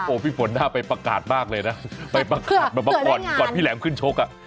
พี่ฝนน่าไปประกาศมากเลยนะไปประกาศมาก่อนก่อนพี่แหลมขึ้นชกอ่ะ